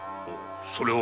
それは。